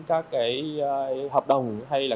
các cái hợp đồng hay là